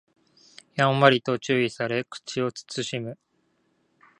やんわりと注意され口を慎む